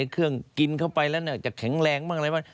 เครื่องกินเข้าไปแล้วจะแข็งแรงบ้างอะไรบ้าง